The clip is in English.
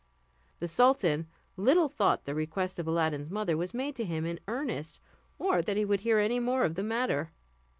The sultan little thought the request of Aladdin's mother was made to him in earnest, or that he would hear any more of the matter.